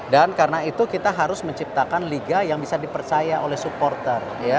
dan karena itu kita harus menciptakan liga yang bisa dipercaya oleh supporter